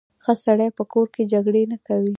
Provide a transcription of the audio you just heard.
ښه سړی په کور کې جګړې نه کوي.